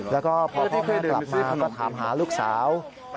แล้วก็พอพ่อแม่กลับมาก็ถามหาลูกสาว